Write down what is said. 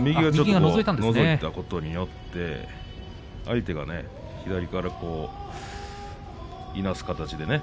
右がのぞいたことによって相手が左からいなす形でね